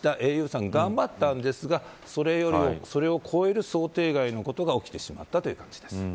ａｕさん頑張ったんですがそれを超える想定外のことが起きてしまったという感じです。